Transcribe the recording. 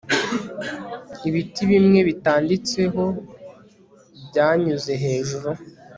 Ibiti bimwe bitanditseho byanyuze hejuru